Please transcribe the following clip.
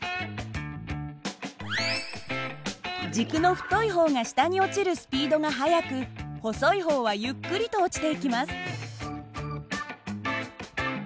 軸の太い方が下に落ちるスピードが速く細い方はゆっくりと落ちていきます。